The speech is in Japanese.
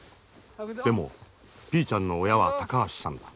でもピーちゃんの親は高橋さんだ。